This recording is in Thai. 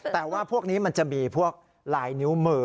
แต่ว่าพวกนี้มันจะมีพวกลายนิ้วมือ